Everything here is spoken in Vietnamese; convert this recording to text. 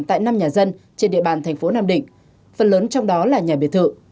tại năm nhà dân trên địa bàn thành phố nam định phần lớn trong đó là nhà biệt thự